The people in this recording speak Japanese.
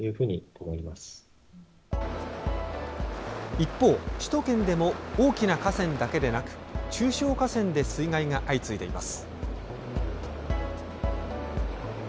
一方、首都圏でも大きな河川だけでなく中小河川で水害が相次いでいます。